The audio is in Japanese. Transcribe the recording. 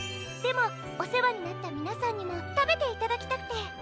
でもおせわになったみなさんにもたべていただきたくて。